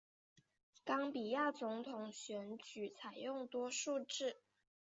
冈比亚总统选举采用多数制。